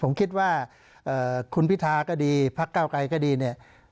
ผมคิดว่าคุณพิธาก็ดีพักเก้าไกรก็ดีเนี่ย